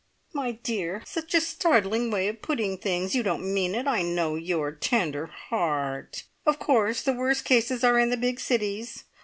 "My dear! Such a startling way of putting things! You don't mean it. I know your tender heart! Of course the worst cases are in the big cities.